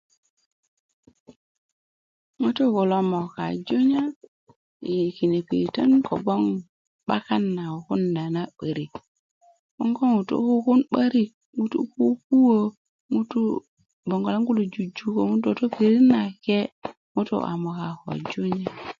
ŋutu kulo moka junya i kine piritö kobgoŋ 'bakan na kukunda na 'börik 'boŋ ko ŋutu kukun 'börik ŋutu kukuwö ŋutu bongolan kulo jujuko ŋutu toto i pirit nake ŋutu a moka ko junya